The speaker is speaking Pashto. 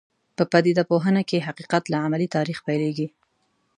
په پدیده پوهنه کې حقیقت له عملي تاریخ پیلېږي.